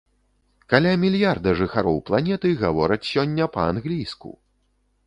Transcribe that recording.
Каля мільярда жыхароў планеты гавораць сёння па-англійску!